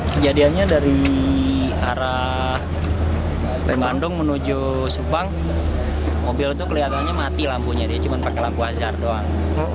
kejadiannya dari arah bandung menuju subang mobil itu kelihatannya mati lampunya dia cuma pakai lampu azhar doang